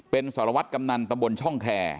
เป็นสรวรรถกำนันตะบลช่องแค